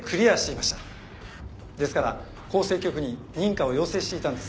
ですから厚生局に認可を要請していたんです。